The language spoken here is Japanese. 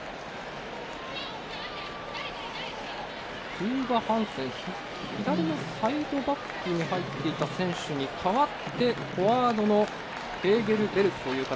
トゥーバ・ハンセン左のサイドバックに入っていた選手に代わってフォワードのヘーゲルベルクという形。